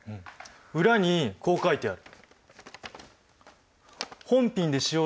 裏にこう書いてある。